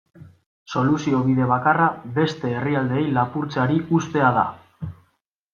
Soluzio bide bakarra beste herrialdeei lapurtzeari uztea da.